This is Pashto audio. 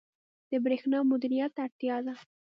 • د برېښنا مدیریت ته اړتیا ده.